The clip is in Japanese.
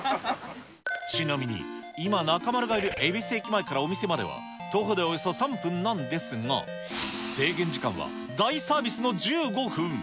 ちなみに、今、中丸がいる恵比寿駅前からお店までは、徒歩でおよそ３分なんですが、制限時間は大サービスの１５分。